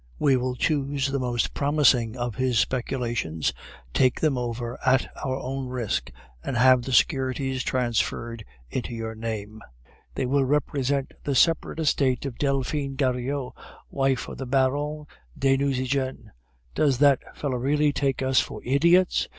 We will choose the most promising of his speculations, take them over at our own risk, and have the securities transferred into your name; they shall represent the separate estate of Delphine Goriot, wife of the Baron de Nucingen. Does that fellow really take us for idiots?